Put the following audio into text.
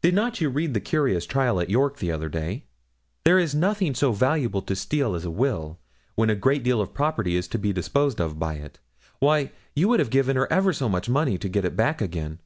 'Did not you read the curious trial at York, the other day? There is nothing so valuable to steal as a will, when a great deal of property is to be disposed of by it. Why, you would have given her ever so much money to get it back again.